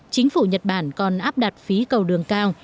chính phủ nhật bản còn áp đặt phí cầu đường cao